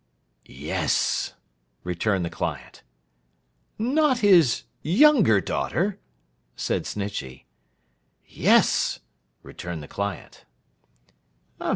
'Yes!' returned the client. 'Not his younger daughter?' said Snitchey. 'Yes!' returned the client.